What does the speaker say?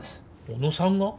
小野さんが？